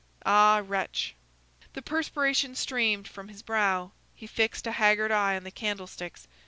Ah, wretch!" The perspiration streamed from his brow. He fixed a haggard eye on the candlesticks.